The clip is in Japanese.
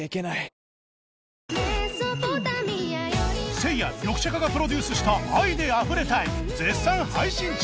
せいやリョクシャカがプロデュースした『愛で溢れたい』絶賛配信中